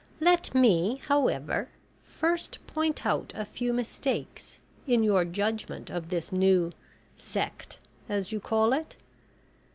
Let me, however, first point out a few mistakes in your judgment of this new `sect' as you call it.